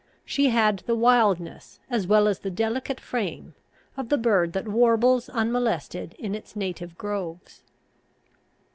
She had the wildness, as well as the delicate frame, of the bird that warbles unmolested in its native groves.